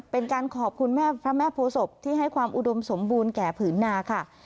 เป็นการขอบคุณแม่พระแม่โพศพที่ให้ความอุดมสมบูรณ์แก่ผืนนาค่ะ